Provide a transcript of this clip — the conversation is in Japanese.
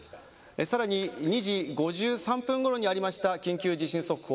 更に２時５３分ごろにありました緊急地震速報。